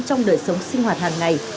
trong đời sống sinh hoạt hàng ngày